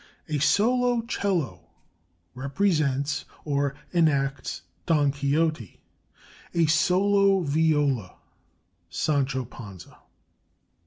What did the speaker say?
A solo 'cello represents, or "enacts," Don Quixote; a solo viola, Sancho Panza.